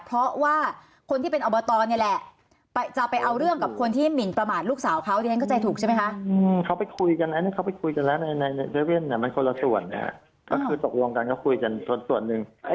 เพราะว่าคนที่เป็นอับฮนตอนนี่แหละ